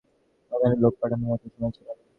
ওখানে আমাদের লোক পাঠানোর মতো সময় ছিল না।